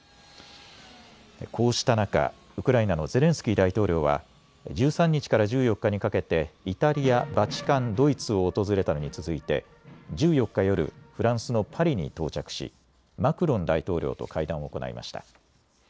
こうした中、ウクライナのゼレンスキー大統領は１３日から１４日にかけてイタリア、バチカン、ドイツを訪れたのに続いて１４日夜、フランスのパリに到着しマクロン大統領と会談を行いました。